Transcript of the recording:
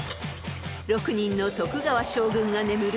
［６人の徳川将軍が眠る